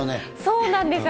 そうなんですよ。